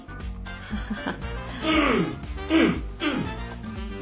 ハハハ。